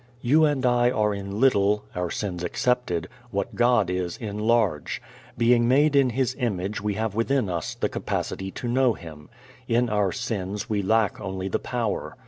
You and I are in little (our sins excepted) what God is in large. Being made in His image we have within us the capacity to know Him. In our sins we lack only the power.